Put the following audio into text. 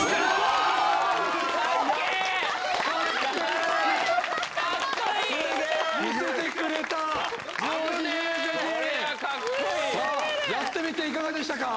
すごすぎるやってみていかがでしたか？